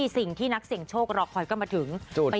สิ่งที่นักเสี่ยงโชครอคอยก็มาถึง